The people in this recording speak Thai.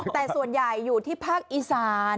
แต่ส่วนใหญ่อยู่ที่ภักดิ์อิสาร